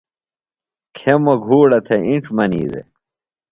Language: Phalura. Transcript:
کھیموۡ گھوڑہ تھےۡ اِنڇ منی دےۡ